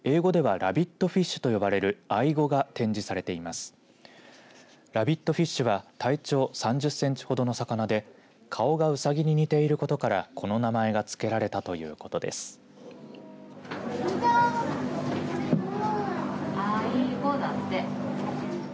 ラビットフィッシュは体長３０センチほどの魚で顔がうさぎに似ていることからこの名前がつけられたということです。